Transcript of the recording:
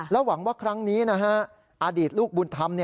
หวังว่าครั้งนี้อดีตลูกบุญธรรม